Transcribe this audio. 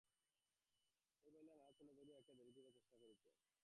এই বলিয়া নানা ছলে ধরিয়া রাখিয়া দেরি করাইবার চেষ্টা করিত।